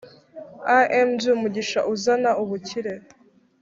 Img umugisha uzana ubukire